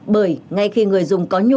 bởi ngay khi người dùng có nhu cầu